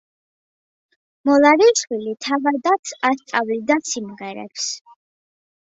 მოლარიშვილი თავადაც ასწავლიდა სიმღერებს.